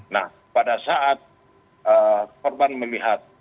nah pada saat korban melihat